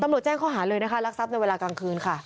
แจ้งข้อหาเลยนะคะรักทรัพย์ในเวลากลางคืนค่ะ